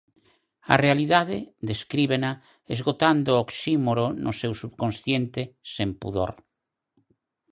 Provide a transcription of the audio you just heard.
A realidade descríbena esgotando o oxímoro no seu subconsciente sen pudor.